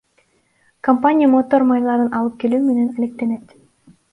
Компания мотор майларын алып келүү менен алектенет.